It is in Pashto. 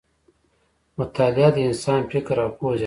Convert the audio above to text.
مطالعه د انسان فکر او پوهه زیاتوي.